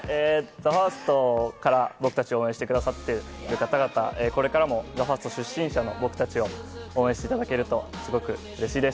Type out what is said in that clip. ＴＨＥＦＩＲＳＴから僕たちを応援してくださっている方々、これからもＴＨＥＦＩＲＳＴ出身者の僕たちを応援していただけるとすごく嬉しいです。